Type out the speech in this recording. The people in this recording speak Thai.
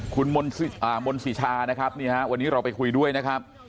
คุณมนศิชานะครับนี่ฮะวันนี้เราไปคุยด้วยนะครับ